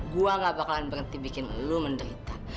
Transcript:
gua gak bakalan berhenti bikin lu menderita